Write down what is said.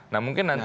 nah mungkin nanti